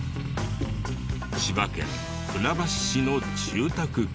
千葉県船橋市の住宅街。